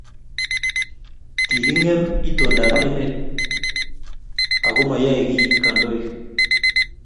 Kikingem itondap emet akomayoei ki kandoik